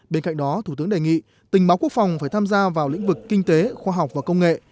bên cạnh đó thủ tướng đề nghị tình báo quốc phòng phải tham gia vào lĩnh vực kinh tế khoa học và công nghệ